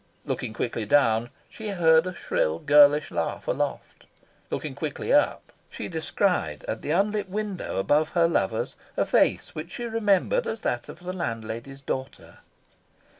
Looking quickly down, she heard a shrill girlish laugh aloft. Looking quickly up, she descried at the unlit window above her lover's a face which she remembered as that of the land lady's daughter.